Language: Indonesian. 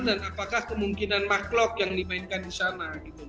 dan apakah kemungkinan mark klok yang dimainkan disana